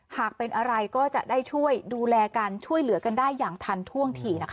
หากเป็นอะไรก็จะได้ช่วยดูแลกันช่วยเหลือกันได้อย่างทันท่วงทีนะคะ